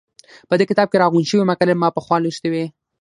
په دې کتاب کې راغونډې شوې مقالې ما پخوا لوستې وې.